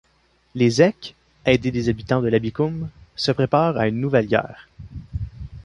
Les Èques, aidés des habitants de Labicum, se préparent à une nouvelle guerre.